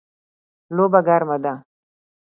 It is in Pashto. لوبه ګرمه ده